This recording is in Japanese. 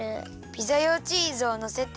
ピザ用チーズをのせて。